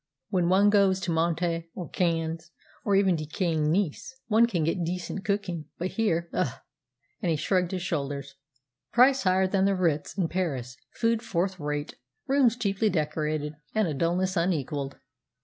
When one goes to Monte, or Cannes, or even decaying Nice, one can get decent cooking. But here ugh!" and he shrugged his shoulders. "Price higher than the 'Ritz' in Paris, food fourth rate, rooms cheaply decorated, and a dullness unequalled."